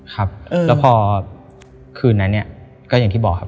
ครับแล้วพอคืนนั้นเนี่ยก็อย่างที่บอกครับ